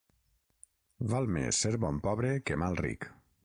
Val més ser bon pobre que mal ric.